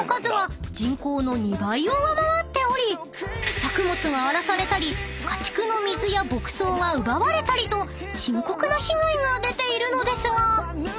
［作物が荒らされたり家畜の水や牧草が奪われたりと深刻な被害が出ているのですが］